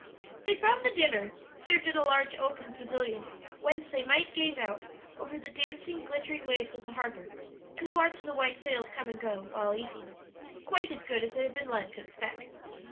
They found the dinner served in a large open pavilion, whence they might gaze out over the dancing, glittering waves of the harbor, and watch the white sails come and go, while eating quite as good as they had been led to expect.